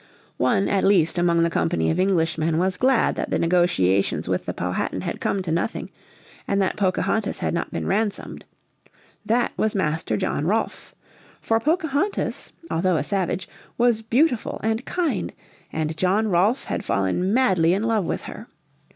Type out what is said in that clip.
One at least among the company of Englishmen was glad that the negotiations with the Powhatan had come to nothing, and that Pocahontas had not been ransomed. That was Master John Rolfe. For Pocahontas, although a savage, was beautiful and kind, and John Rolfe had fallen madly in love with her.